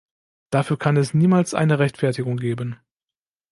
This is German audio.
Dafür kann es niemals eine Rechtfertigung geben.